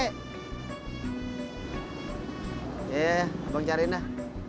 ya ya abang cariin lah